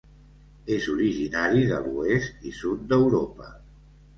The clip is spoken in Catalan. És originari de l'oest i sud d'Europa.